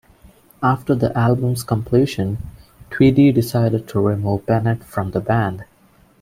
After the album's completion, Tweedy decided to remove Bennett from the band.